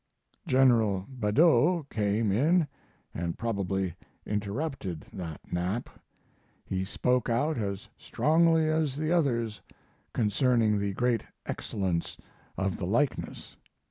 General Badeau came in, and probably interrupted that nap. He spoke out as strongly as the others concerning the great excellence of the likeness.